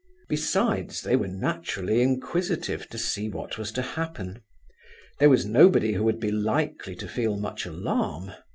Besides, they were naturally inquisitive to see what was to happen. There was nobody who would be likely to feel much alarm.